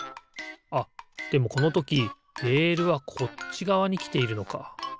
あっでもこのときレールはこっちがわにきているのか。